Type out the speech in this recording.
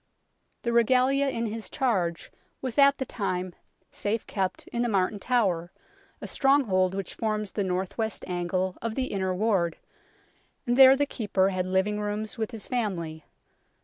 The Regalia in Ms charge was at the time safe kept in the Martin Tower, a stronghold which forms the north west angle of the Inner Ward, and there the Keeper had living rooms with his family.